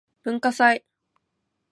文化祭